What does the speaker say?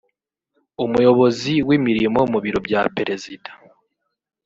umuyobozi w’imirimo mu biro bya perezida